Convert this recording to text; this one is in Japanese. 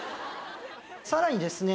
さらにですね